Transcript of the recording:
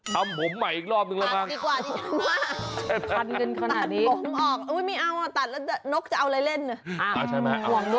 ทำผมใหม่อีกรอบนึงแล้วนะ